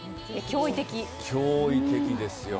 驚異的ですよ。